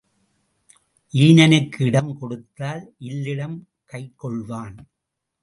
ஈனனுக்கு இடம் கொடுத்தால் இல்லிடம் கைக் கொள்வான்.